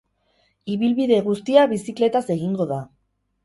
Ibilbide guztia bizikletaz egingo da.